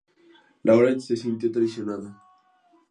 Lawrence se sintió traicionada.